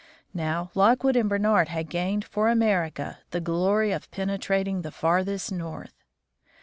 Now, Lockwood and Brainard had gained for America the glory of penetrating the farthest north.